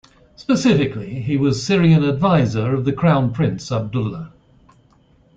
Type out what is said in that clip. Specifically, he was Syrian advisor of the Crown Prince Abdullah.